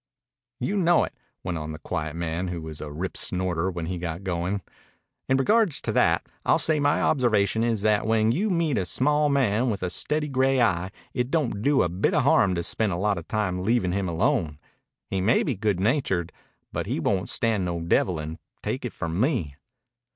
"You know it," went on the quiet man who was a rip snorter when he got going. "In regards to that, I'll say my observation is that when you meet a small man with a steady gray eye it don't do a bit of harm to spend a lot of time leavin' him alone. He may be good natured, but he won't stand no devilin', take it from me."